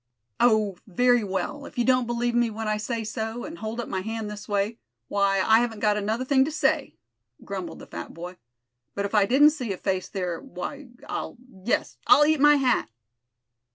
"Oh! very well, if you don't believe me when I say so, and hold up my hand this way, why, I haven't got another thing to say," grumbled the fat boy. "But if I didn't see a face there, why, I'll, yes, I'll eat my hat."